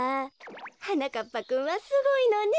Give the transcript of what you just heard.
はなかっぱくんはすごいのね。